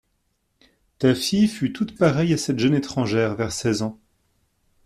Ta fille fut toute pareille à cette jeune étrangère vers seize ans.